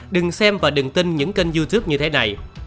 đừng xem và đừng tin những kênh youtube như thế này